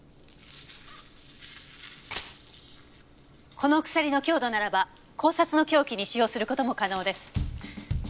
この鎖の強度ならば絞殺の凶器に使用する事も可能です。